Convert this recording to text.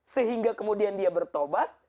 sehingga kemudian dia bertobat